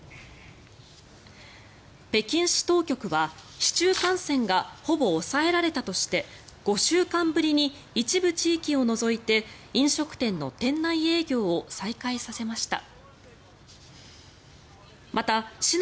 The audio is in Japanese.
北京市当局は市中感染がほぼ抑えられたとして５週間ぶりに一部地域を除いて飲食店の店内営業を再開させました。